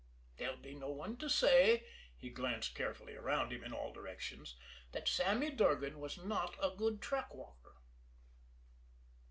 There'll be no one to say" he glanced carefully around him in all directions "that Sammy Durgan was not a good track walker."